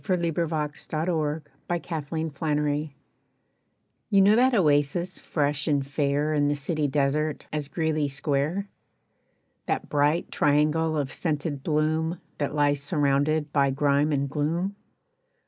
=The Tulip Bed At Greeley Square= You know that oasis, fresh and fair In the city desert, as Greeley square? That bright triangle of scented bloom That lies surrounded by grime and gloom?